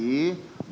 dokternya itu bisa